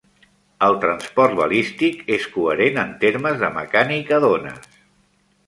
El transport balístic és coherent en termes de mecànica d'ones.